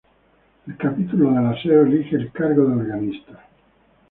El Capítulo de la Seo elige el cargo de organista.